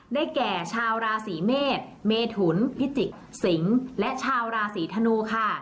แก่ชาวราศีเมษเมถุนพิจิกสิงศ์และชาวราศีธนูค่ะ